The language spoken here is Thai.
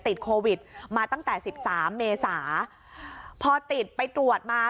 ติดโควิดมาตั้งแต่สิบสามเมษาพอติดไปตรวจมา